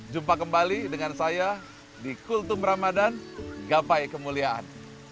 jumpa kembali dengan saya di kultum ramadhan gapai kemuliaan